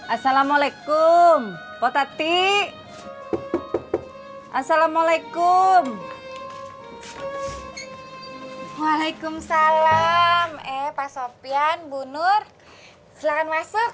assalamualaikum potati assalamualaikum waalaikumsalam eh pak sorpian bunur silakan masuk